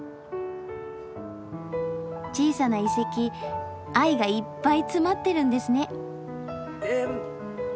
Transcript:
小さな遺跡愛がいっぱい詰まってるんですね。